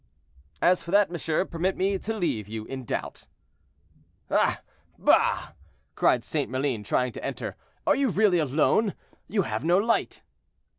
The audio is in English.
"As for that, monsieur, permit me to leave you in doubt." "Ah! bah!" cried St. Maline, trying to enter, "are you really alone? you have no light."